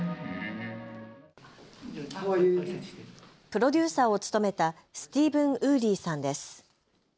プロデューサーを務めたスティーヴン・ウーリーさんです。